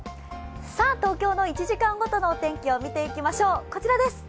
東京の１時間ごとのお天気をみてみましょう。